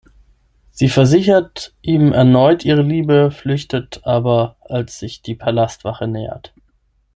Sie versichert ihm erneut ihre Liebe, flüchtet aber, als sich die Palastwache nähert.